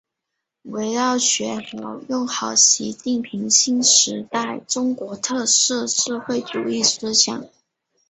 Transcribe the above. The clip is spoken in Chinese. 围绕学好、用好习近平新时代中国特色社会主义思想